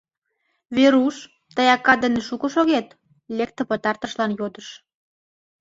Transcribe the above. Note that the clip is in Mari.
— Веруш, тый акат дене шуко шогет? — лекте пытартышлан йодыш.